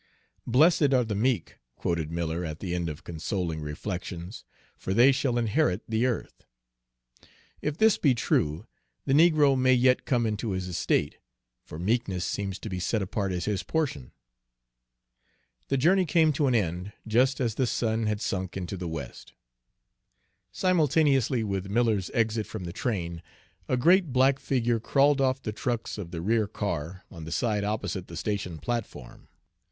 "'Blessed are the meek,'" quoted Miller at the end of these consoling reflections, "'for they shall inherit the earth.' If this be true, the negro may yet come into his estate, for meekness seems to be set apart as his portion." The journey came to an end just as the sun had sunk into the west. Simultaneously with Miller's exit from the train, a great black figure crawled off the trucks of the rear car, on the side opposite the station platform.